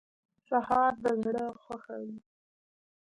سهار د زړه خوښوي.